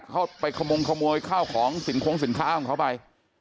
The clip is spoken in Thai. เข้าไปขมงขโมยข้าวของสินคงสินค้าของเขาไป